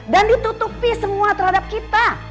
dan ditutupi semua terhadap kita